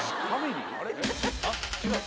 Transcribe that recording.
あっ違う？